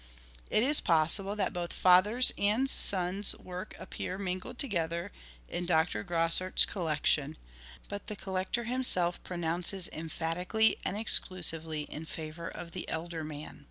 It is possible that both father's and son's work appear mingled together in Dr. Grosart's collection, but the collector himself pronounces emphatically and ex clusively in favour of the elder man.